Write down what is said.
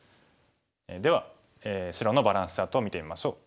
では白のバランスチャートを見てみましょう。